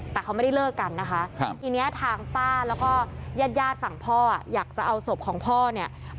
แต่เขาไม่ได้เลิกกันนะคะทีนี้ทางป้าแล้วก็ญาติญาติฝั่งพ่ออยากจะเอาศพของพ่อเนี่ย